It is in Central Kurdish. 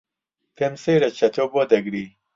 پێم سەیرە چەتۆ بۆ دەگری.